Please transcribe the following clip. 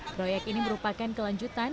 proyek ini merupakan kelanjutan